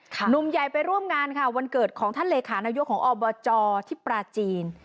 หนุ่มใหญ่ไปร่วมงานค่ะวันเกิดของท่านเลขานายกของอบจที่ปราจีน